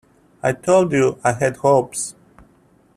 I told you I had hopes.